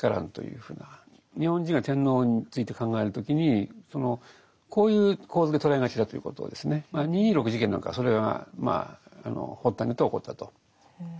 ふうな日本人は天皇について考える時にこういう構図で捉えがちだということをですね二・二六事件なんかはそれが発端になって起こったと。